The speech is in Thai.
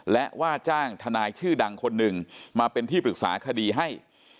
และว่าจ้างทนายชื่อดังคนหนึ่งมาเป็นที่ปรึกษาคดีให้